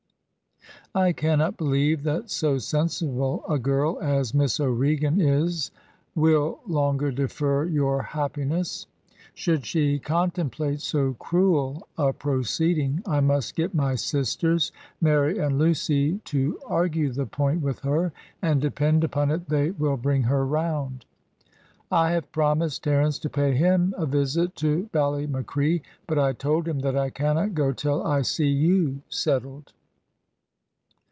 "I cannot believe that so sensible a girl as Miss O'Regan is, will longer defer your happiness. Should she contemplate so cruel a proceeding, I must get my sisters, Mary and Lucy, to argue the point with her, and depend upon it they will bring her round. I have promised Terence to pay him a visit to Ballymacree, but I told him that I cannot go till I see you settled.